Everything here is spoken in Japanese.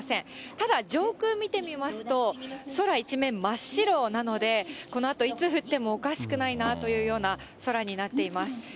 ただ上空見てみますと、空一面、真っ白なので、このあと、いつ降ってもおかしくないなというような空になっています。